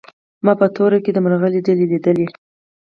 ما په تور کي د مرغۍ ډلي لیدلې